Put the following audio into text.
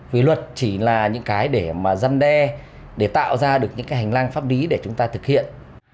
vì luật chỉ là những cái để mà dân đe để tạo ra được những cái hành lang pháp lý để chúng ta thực hiện